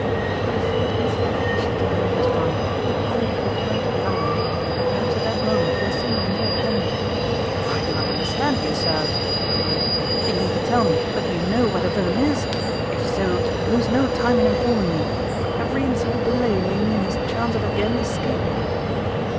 The thought instantly flashed into Mainwaring's mind that the pirate had returned to the island; that perhaps at that moment he was somewhere near at hand. "I do not understand you, sir," he cried. "Do you mean to tell me that you know where the villain is? If so, lose no time in informing me, for every instant of delay may mean his chance of again escaping."